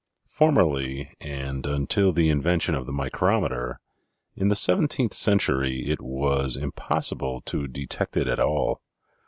Formerly, and until the invention of the micrometer, in the seventeenth century, it was im possible to detect it at all.